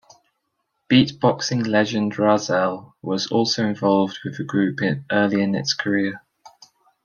Beat-boxing legend Rahzel was also involved with the group early in its career.